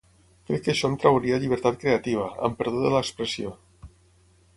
Crec que això em trauria llibertat creativa, amb perdó de l’expressió!